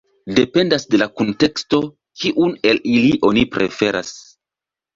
Dependas de la kunteksto, kiun el ili oni preferas.